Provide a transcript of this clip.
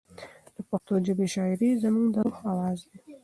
د پښتو ژبې شاعري زموږ د روح اواز دی.